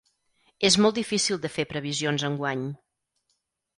És molt difícil de fer previsions enguany.